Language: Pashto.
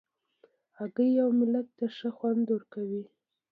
هګۍ اوملت ته ښه خوند ورکوي.